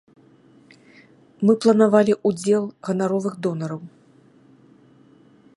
Мы планавалі ўдзел ганаровых донараў.